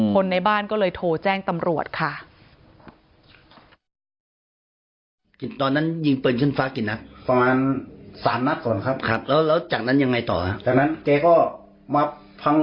คนในบ้านก็เลยโทรแจ้งตำรวจค่ะ